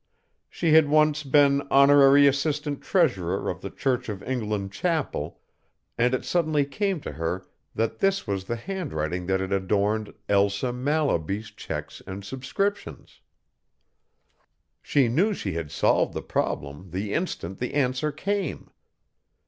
She had once been honorary assistant treasurer of the Church of England chapel, and it suddenly came to her that this was the handwriting that had adorned Elsa Mallaby's checks and subscriptions. She knew she had solved the problem the instant the answer came.